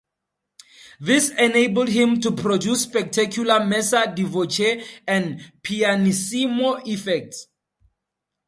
This enabled him to produce spectacular messa di voce and pianissimo effects.